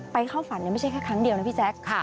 เข้าฝันไม่ใช่แค่ครั้งเดียวนะพี่แจ๊ค